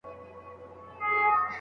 د دې مقالې ژبه تر پخوانۍ مقالې روانه ده.